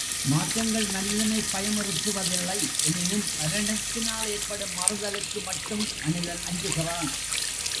மாற்றங்கள் மனிதனைப் பயமுறுத்துவதில்லை எனினும், மரணத்தினால் ஏற்படும் மாறுதலுக்கு மட்டும் மனிதன் அஞ்சுகிறான்.